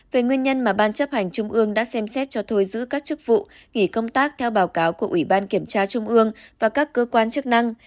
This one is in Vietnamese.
về nguyên nhân mà ban chấp hành trung ương đã xem xét cho thôi giữ các chức vụ nghỉ công tác theo báo cáo của ủy ban kiểm tra trung ương và các cơ quan chức năng